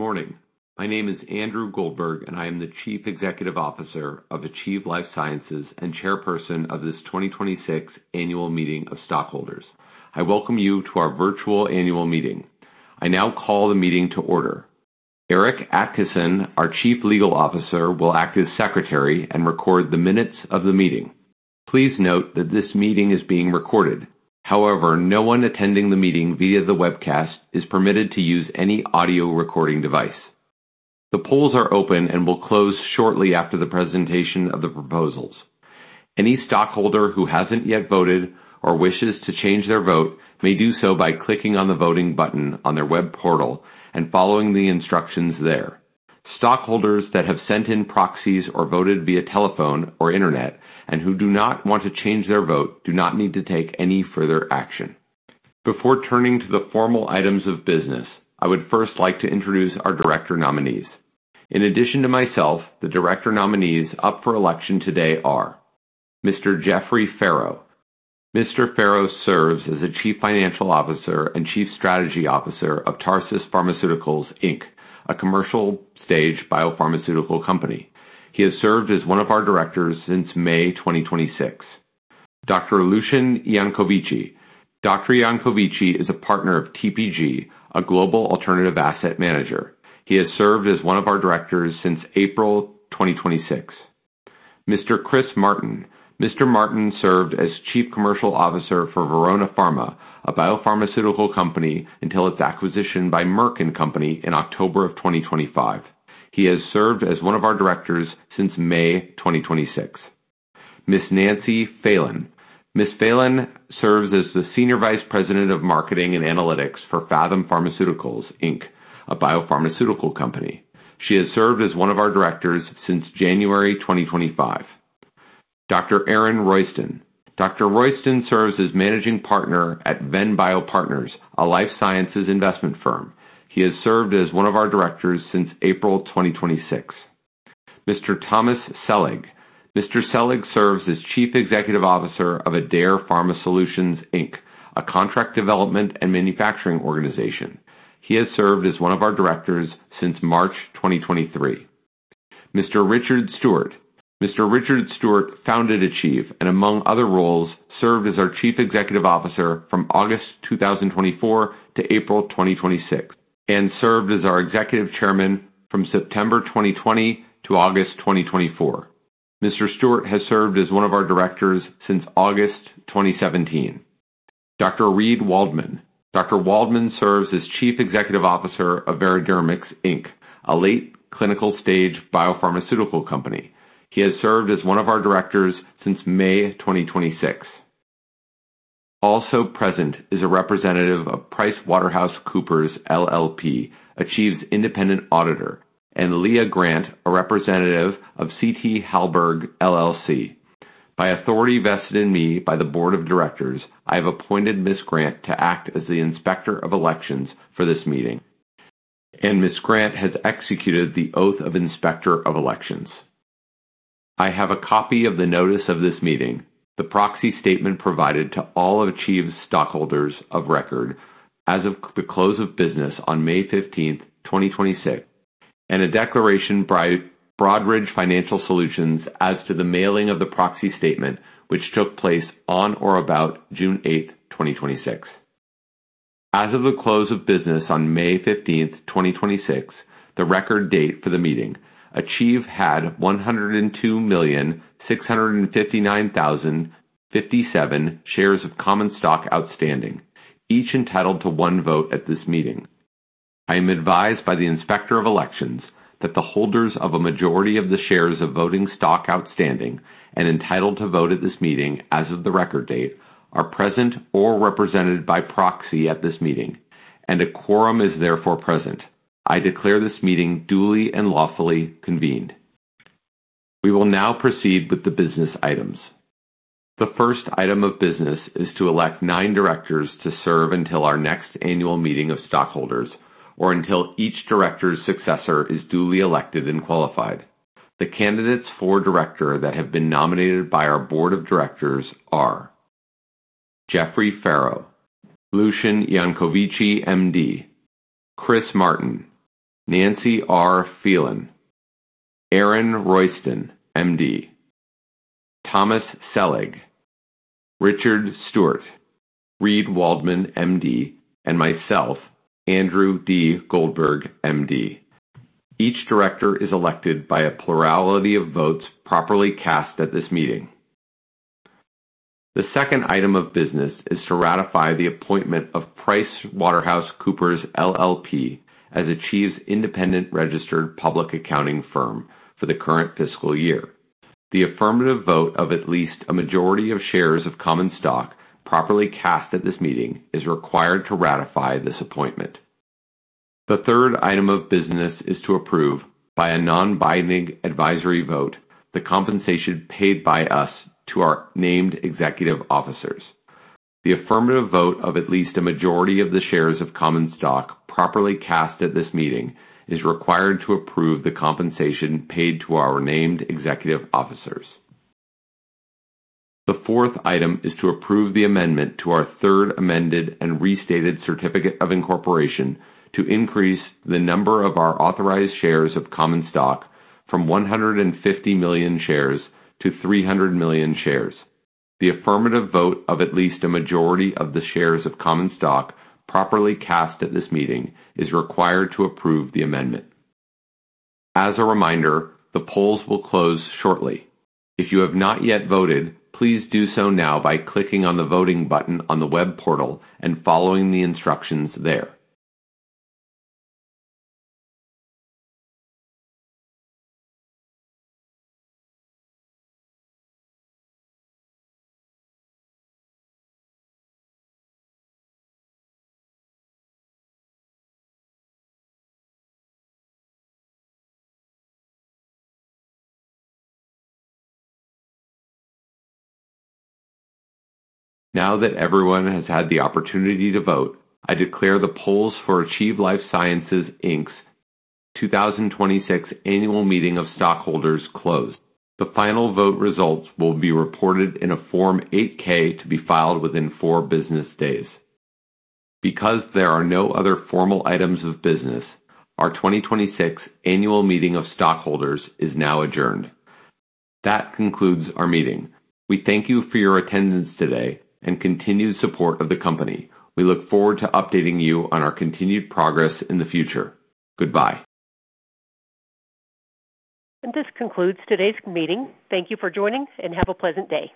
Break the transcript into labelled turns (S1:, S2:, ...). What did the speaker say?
S1: Good morning. My name is Andrew Goldberg, and I am the Chief Executive Officer of Achieve Life Sciences and Chairperson of this 2026 Annual Meeting of Stockholders. I welcome you to our virtual annual meeting. I now call the meeting to order. Erik Atkisson, our Chief Legal Officer, will act as Secretary and record the minutes of the meeting. Please note that this meeting is being recorded. However, no one attending the meeting via the webcast is permitted to use any audio recording device. The polls are open and will close shortly after the presentation of the proposals. Any stockholder who hasn't yet voted or wishes to change their vote may do so by clicking on the voting button on their web portal and following the instructions there. Stockholders that have sent in proxies or voted via telephone or internet, and who do not want to change their vote, do not need to take any further action. Before turning to the formal items of business, I would first like to introduce our director nominees. In addition to myself, the director nominees up for election today are Mr. Jeffrey Farrow. Mr. Farrow serves as the Chief Financial Officer and Chief Strategy Officer of Tarsus Pharmaceuticals, Inc., a commercial stage biopharmaceutical company. He has served as one of our directors since May 2026. Dr. Lucian Iancovici. Dr. Iancovici is a partner of TPG, a global alternative asset manager. He has served as one of our directors since April 2026. Mr. Chris Martin. Mr. Martin served as Chief Commercial Officer for Verona Pharma, a biopharmaceutical company, until its acquisition by Merck & Co. in October of 2025. He has served as one of our directors since May 2026. Ms. Nancy Phelan. Ms. Phelan serves as the Senior Vice President of Marketing and Analytics for Phathom Pharmaceuticals, Inc., a biopharmaceutical company. She has served as one of our directors since January 2025. Dr. Aaron Royston. Dr. Royston serves as Managing Partner at venBio Partners, a life sciences investment firm. He has served as one of our directors since April 2026. Mr. Thomas Sellig. Mr. Sellig serves as Chief Executive Officer of Adare Pharma Solutions, Inc., a contract development and manufacturing organization. He has served as one of our directors since March 2023. Mr. Richard Stewart. Mr. Richard Stewart founded Achieve and, among other roles, served as our Chief Executive Officer from August 2024 to April 2026, and served as our Executive Chairman from September 2020 to August 2024. Mr. Stewart has served as one of our directors since August 2017. Dr. Reid Waldman. Dr. Waldman serves as Chief Executive Officer of Veradermics, Inc., a late clinical stage biopharmaceutical company. He has served as one of our directors since May 2026. Also present is a representative of PricewaterhouseCoopers, LLP, Achieve's independent auditor, and Leah Grant, a representative of CT Hagberg, LLC. By authority vested in me by the Board of Directors, I have appointed Ms. Grant to act as the Inspector of Elections for this meeting, and Ms. Grant has executed the Oath of Inspector of Elections. I have a copy of the notice of this meeting, the proxy statement provided to all of Achieve's stockholders of record as of the close of business on May 15th, 2026, and a declaration by Broadridge Financial Solutions as to the mailing of the proxy statement, which took place on or about June 8th, 2026. As of the close of business on May 15th, 2026, the record date for the meeting, Achieve had 102,659,057 shares of common stock outstanding, each entitled to one vote at this meeting. I am advised by the Inspector of Elections that the holders of a majority of the shares of voting stock outstanding and entitled to vote at this meeting as of the record date are present or represented by proxy at this meeting and a quorum is therefore present. I declare this meeting duly and lawfully convened. We will now proceed with the business items. The first item of business is to elect nine directors to serve until our next annual meeting of stockholders, or until each director's successor is duly elected and qualified. The candidates for director that have been nominated by our Board of Directors are Jeffrey Farrow, Lucian Iancovici, MD, Chris Martin, Nancy Phelan, Aaron Royston, MD, Thomas Sellig, Richard Stewart, Reid Waldman, MD, and myself, Andrew Goldberg, MD. Each director is elected by a plurality of votes properly cast at this meeting. The second item of business is to ratify the appointment of PricewaterhouseCoopers, LLP, as Achieve's independent registered public accounting firm for the current fiscal year. The affirmative vote of at least a majority of shares of common stock properly cast at this meeting is required to ratify this appointment. The third item of business is to approve, by a non-binding advisory vote, the compensation paid by us to our named executive officers. The affirmative vote of at least a majority of the shares of common stock properly cast at this meeting is required to approve the compensation paid to our named executive officers. The fourth item is to approve the amendment to our third amended and restated certificate of incorporation to increase the number of our authorized shares of common stock from 150 million shares to 300 million shares. The affirmative vote of at least a majority of the shares of common stock properly cast at this meeting is required to approve the amendment. As a reminder, the polls will close shortly. If you have not yet voted, please do so now by clicking on the voting button on the web portal and following the instructions there. Now that everyone has had the opportunity to vote, I declare the polls for Achieve Life Sciences, Inc.'s 2026 Annual Meeting of Stockholders closed. The final vote results will be reported in a Form 8-K to be filed within four business days. There are no other formal items of business, our 2026 Annual Meeting of Stockholders is now adjourned. That concludes our meeting. We thank you for your attendance today and continued support of the company. We look forward to updating you on our continued progress in the future. Goodbye.
S2: This concludes today's meeting. Thank you for joining, and have a pleasant day.